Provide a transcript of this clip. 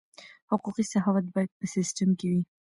حقوقي سخاوت باید په سیستم کې وي.